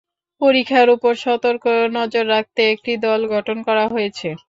পরিখার উপর সতর্ক নজর রাখতে একটি দল গঠন করা হয়েছে।